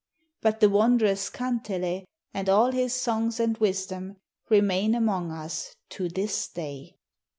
But the wondrous kantele and all his songs and wisdom remain among us to this day.